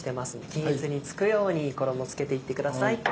均一に付くように衣付けていってください。